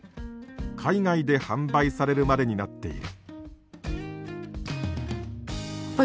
海外で販売されるまでになっている。